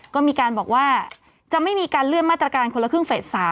ก็มีการบอกว่าจะไม่มีการเลื่อนมาตรการคนละครึ่งเฟส๓